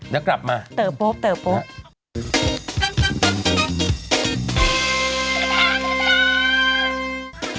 แล้วกลับมาเต๋อโป๊ปเต๋อโป๊ปนะครับ